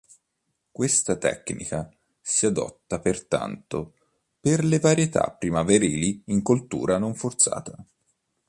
Questa tecnica si adotta pertanto per le varietà primaverili in coltura non forzata.